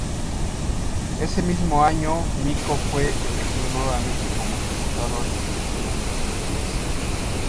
Ese mismo año, Micó fue elegido nuevamente como diputado en las elecciones legislativas.